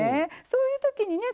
そういうときにね